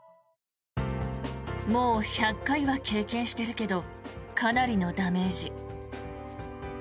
もう１００回は経験してるけどかなりのダメージ。